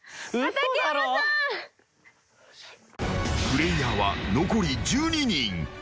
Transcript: ［プレイヤーは残り１２人］